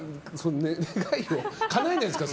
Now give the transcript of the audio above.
願いをかなえないですから。